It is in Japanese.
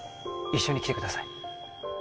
一緒に来てください